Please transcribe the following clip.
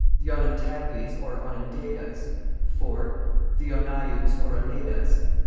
The Onontagues or Onondagas. (4.) The Onneyouts or Oneidas.